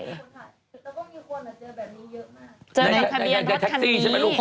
แล้วแต่คนเดียวซึ่งเจอขเวณนี่เยอะมาก